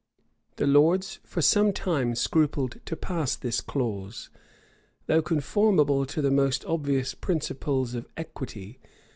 The lords for some time scrupled to pass this clause, though conformable to the most obvious principles of equity.